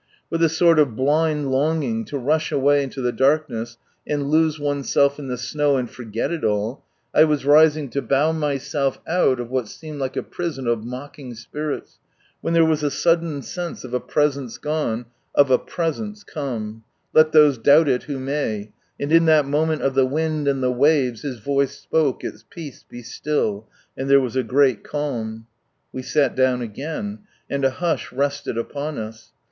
With a sort of blind longing to rush away into the darkness and lose oneself in the snow, and forget it all, I was rising lo bow myself out of what seemed like a prison of mocking spirits, when there was a sudden sense of a presence gone, of a Presence come— let those doubt it who may— and in that moment of the wind and the waves His voice spoke its " Peace, be still," and there was a great calm. We sal down again, and a hush rested upon us.